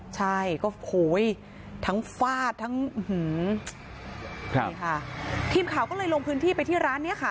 ใช่ก็โหยทั้งฟาดทั้งนี่ค่ะทีมข่าวก็เลยลงพื้นที่ไปที่ร้านเนี้ยค่ะ